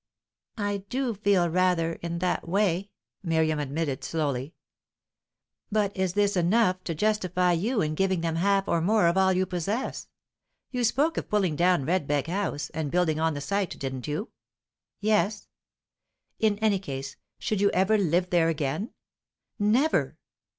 "I do feel rather in that way," Miriam admitted slowly. "But is this enough to justify you in giving them half or more of all you possess? You spoke of pulling down Redbeck House, and building on the site, didn't you?" "Yes." "In any case, should you ever live there again?" "Never."